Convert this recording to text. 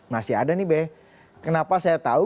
masih ada nih be kenapa saya tahu